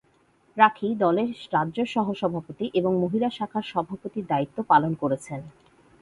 রাখি দলের রাজ্য সহ-সভাপতি এবং মহিলা শাখার সভাপতির দায়িত্ব পালন করছেন।